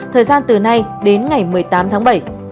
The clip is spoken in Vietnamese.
thời gian từ nay đến ngày một mươi tám tháng bảy